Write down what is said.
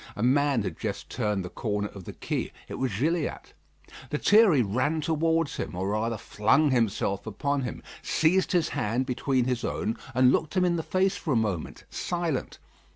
A man had just turned the corner of the quay. It was Gilliatt. Lethierry ran towards him, or rather flung himself upon him; seized his hand between his own, and looked him in the face for a moment, silent.